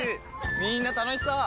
みんな楽しそう！